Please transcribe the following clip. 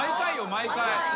毎回。